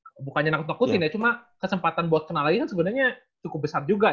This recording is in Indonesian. sama meniskus tuh bukan jenang tukutin ya cuma kesempatan buat kenal lagi kan sebenarnya cukup besar juga ya